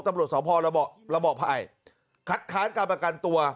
ตำรวจสพระระบอกภัยคัดค้านการประกันตัว